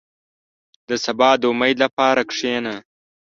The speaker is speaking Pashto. • د سبا د امید لپاره کښېنه.